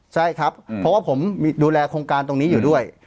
ใช่ครับเพราะว่าผมดูแลโครงการตรงนี้อยู่ด้วย